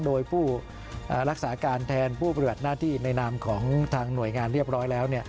โดยผู้รักษาการแทนผู้ปฏิบัติหน้าที่ในนามของทางหน่วยงานเรียบร้อยแล้ว